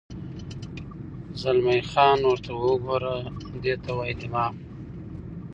زلمی خان: ورته وګوره، دې ته وایي دماغ.